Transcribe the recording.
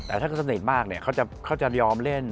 แต่ถ้าสนิทมากเขาจะยอมเล่น